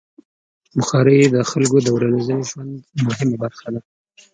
بخاري د خلکو د ورځني ژوند مهمه برخه ده.